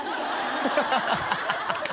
ハハハ